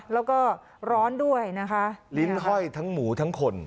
แล้วก็ร้อนด้วยนะคะลิ้นห้อยทั้งหมูทั้งคน